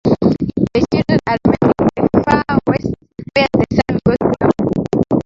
The children are made in the far west where the sun goes down.